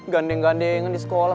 gandeng gandengan di sekolah